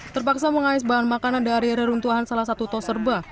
terpaksa mengais bahan makanan dari reruntuhan salah satu tos serba